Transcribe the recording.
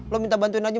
lo minta bantuin aja